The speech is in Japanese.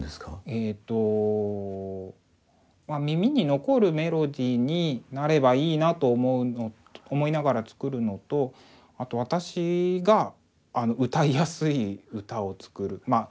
えっと耳に残るメロディーになればいいなと思うのと思いながら作るのとあと私が歌いやすい歌を作るまあ